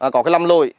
có làm lội